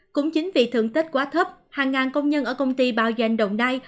cũng chính vì thượng tích quá thấp hàng ngàn công nhân ở công ty bao danh đồng đai